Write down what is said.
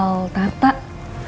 belum tentu saja